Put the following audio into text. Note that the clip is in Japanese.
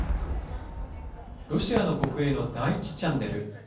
ロシアの国営の第１チャンネル。